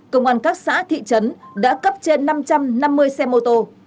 công an các xã thị trấn đã cấp trên năm trăm năm mươi xe mô tô